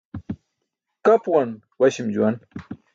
Kapuwan waśi̇m juwan.